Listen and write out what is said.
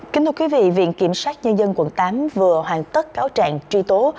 kính thưa quý vị viện kiểm sát nhân dân quận tám vừa hoàn tất cáo trạng truy tố